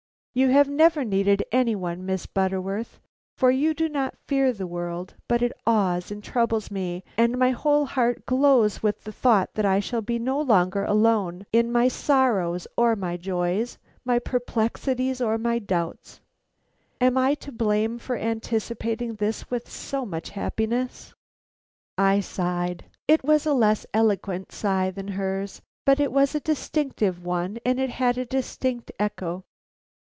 You have never needed any one, Miss Butterworth, for you do not fear the world, but it awes and troubles me, and my whole heart glows with the thought that I shall be no longer alone in my sorrows or my joys, my perplexities or my doubts. Am I to blame for anticipating this with so much happiness?" I sighed. It was a less eloquent sigh than hers, but it was a distinct one and it had a distinct echo.